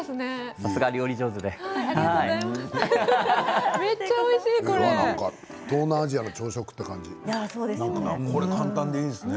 さすが料理上手ですね。